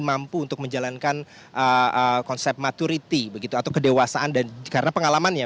mampu untuk menjalankan konsep maturity atau kedewasaan karena pengalamannya